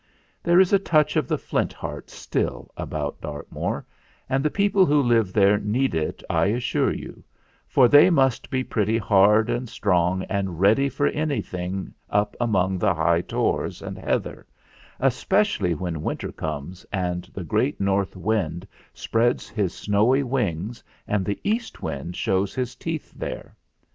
There is a touch of the Flint Heart still about Dartmoor, and the people who live there need it, I assure you; for you must be pretty hard and strong and ready for anything up among the high tors and heather, especially when winter comes and the great North Wind spreads his snowy wings and the East Wind shows his teeth there.